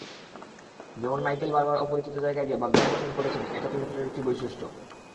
যেমন মাইকেল বারবার অপরিচিত জায়গায় গিয়ে ভাগ্যান্বেষণ করেছেন—এটা তাঁর চরিত্রের একটা বৈশিষ্ট্য।